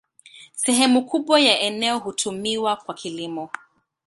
Sehemu kubwa ya eneo hutumiwa kwa kilimo.